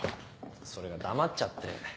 それが黙っちゃって。